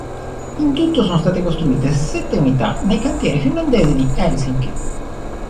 In tutto sono state costruite sette unità, nei cantieri finlandesi di Helsinki.